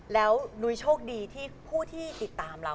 แล้วนุ้ยโชคดีที่ผู้ที่ติดตามเรา